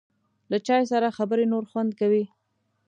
له چای سره خبرې نور خوند کوي.